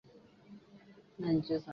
厄斯为位在美国兰姆县的城市。